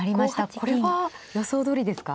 これは予想どおりですか。